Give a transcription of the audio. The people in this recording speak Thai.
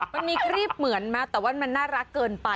มันมีครีบเหมือนมั้ยแต่ว่ามันน่ารักเกินไป